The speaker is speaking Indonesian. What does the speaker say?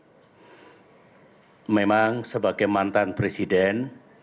dan memang sebagai mantan presiden